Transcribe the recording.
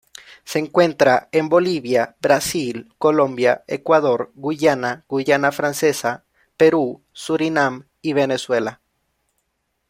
Se encuentra en Bolivia, Brasil, Colombia, Ecuador, Guyana, Guayana francesa, Perú, Surinam y Venezuela.